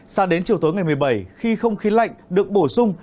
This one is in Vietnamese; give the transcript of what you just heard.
sao đến chiều tối ngày một mươi bảy khi không khí lạnh được bổ sung